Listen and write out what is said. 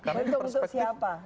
untung untuk siapa